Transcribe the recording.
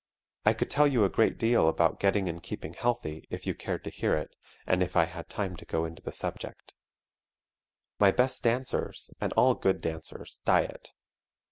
I could tell you a great deal about getting and keeping healthy, if you cared to hear it and if I had time to go into the subject. My best dancers, and all good dancers, diet.